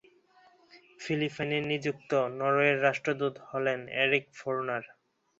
ফিলিপাইনে নিযুক্ত নরওয়ের রাষ্ট্রদূত হলেন এরিক ফোর্নার।